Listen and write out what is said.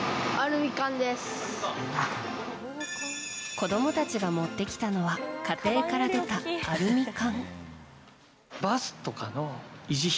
子供たちが持ってきたのは家庭から出たアルミ缶。